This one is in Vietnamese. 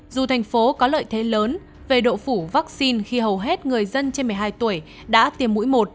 dù thành phố có lợi thế lớn về độ phủ vaccine khi hầu hết người dân trên một mươi hai tuổi đã tiêm mũi một